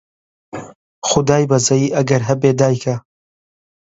خودای بەزەیی ئەگەر هەبێ دایکە